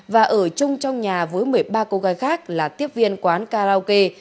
và ở chung trong nhà với một mươi ba cô gái khác là tiếp viên quán karaoke